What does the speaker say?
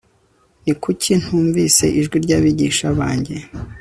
ni kuki ntumvise ijwi ry'abigisha banjye